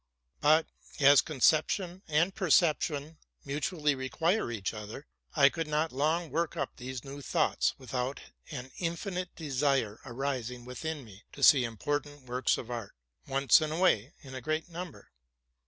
But, as conception and perception mutually require each other, I could not long work up these new thoughts without an infinite desire arising within me to see important works of art, once and away, in great number.